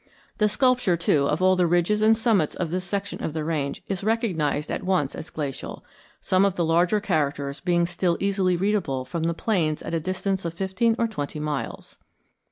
The sculpture, too, of all the ridges and summits of this section of the range is recognized at once as glacial, some of the larger characters being still easily readable from the plains at a distance of fifteen or twenty miles.